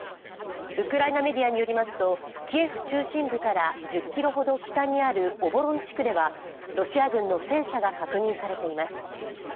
ウクライナメディアによりますとキエフ中心部から１０ｋｍほど北にあるオボロン地区ではロシア軍の戦車が確認されています。